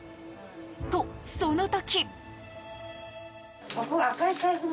と、その時。